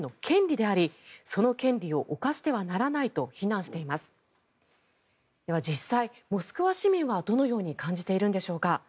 では実際、モスクワ市民はどう感じているんでしょうか。